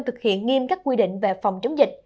thực hiện nghiêm các quy định về phòng chống dịch